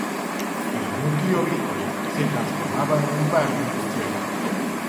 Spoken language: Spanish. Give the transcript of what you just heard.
El núcleo agrícola se transformaba en un barrio industrial.